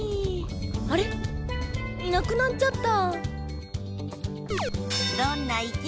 あれっいなくなっちゃった。